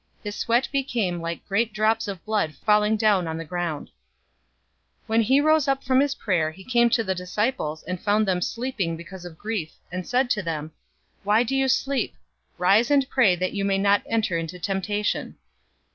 His sweat became like great drops of blood falling down on the ground. 022:045 When he rose up from his prayer, he came to the disciples, and found them sleeping because of grief, 022:046 and said to them, "Why do you sleep? Rise and pray that you may not enter into temptation."